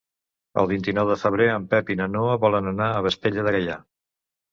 El vint-i-nou de febrer en Pep i na Noa volen anar a Vespella de Gaià.